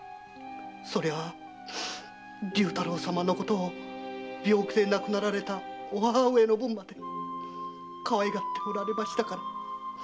そりゃあ竜太郎様のことを病気で亡くなられたお母上のぶんまでかわいがってました。